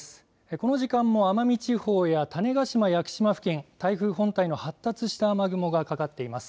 この時間も奄美地方や種子島・屋久島付近、台風本体の発達した雨雲がかかっています。